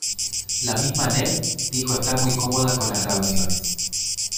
La misma Anette dijo estar muy cómoda con las grabaciones.